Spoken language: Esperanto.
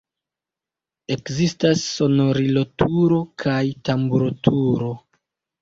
Ekzistas sonorilo-turo kaj tamburo-turo.